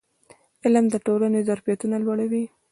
علم د ټولنې ظرفیتونه لوړوي.